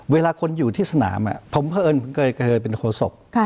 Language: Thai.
เวลาคนอยู่ที่สนามผมเพราะเอิญผมเคยเป็นโฆษก